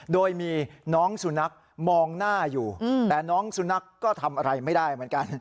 โดยมีน้องสุนัขมองหน้าอยู่แต่น้องสุนัขก็ทำอะไรไม่ได้เหมือนกัน